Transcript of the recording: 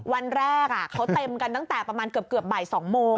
วันแรกเขาเต็มกันตั้งแต่ประมาณเกือบบ่าย๒โมง